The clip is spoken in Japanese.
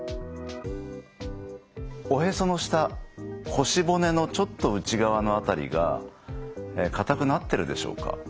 おへその下腰骨のちょっと内側の辺りが硬くなってるでしょうか？